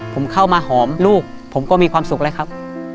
ผมเข้ามาหอมลูกผมก็มีความสุขแล้วครับ